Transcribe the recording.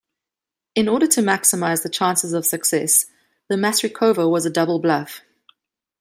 In order to maximize the chances of success, the maskirovka was a double bluff.